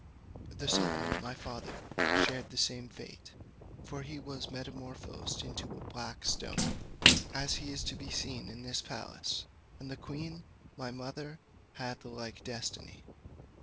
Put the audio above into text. The sultan, my father, shared the same fate, for he was metamorphosed into a black stone, as he is to be seen in this palace, and the queen, my mother, had the like destiny.